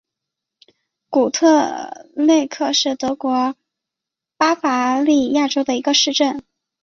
古特内克是德国巴伐利亚州的一个市镇。